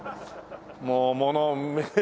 もう物を。